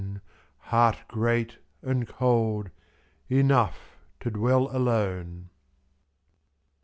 Heart great, and cold, enough to dwell alone.